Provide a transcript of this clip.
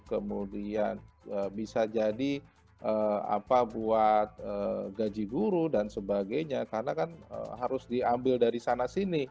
kemudian bisa jadi apa buat gaji guru dan sebagainya karena kan harus diambil dari sana sini